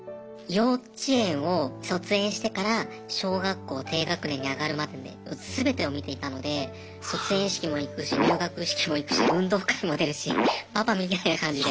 幼稚園を卒園してから小学校低学年に上がるまでね全てを見ていたので卒園式も行くし入学式も行くし運動会も出るしパパみたいな感じで。